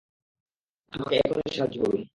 আমাকে এখনই সাহায্য করুন।